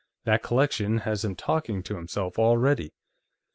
That collection has him talking to himself, already.